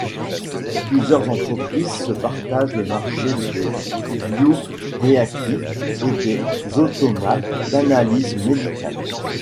Plusieurs entreprises se partagent le marché des bio-réactifs et des automates d'analyses médicales.